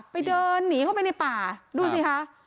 เดินหนีเข้าไปในป่าดูสิคะ